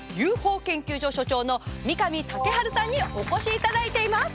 研究所所長の三上丈晴さんにお越しいただいています。